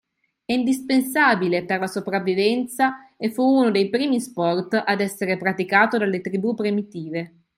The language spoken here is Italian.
È indispensabile per la sopravvivenza e fu uno dei primi sport ad essere praticato dalle tribù primitive.